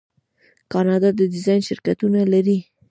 کاناډا د ډیزاین شرکتونه لري.